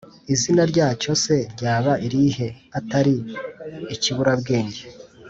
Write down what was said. Izina ryacyo se ryaba irihe, atari ikiburabwenge.